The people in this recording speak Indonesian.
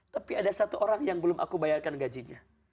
tapi ada satu orang yang belum aku bayarkan gajinya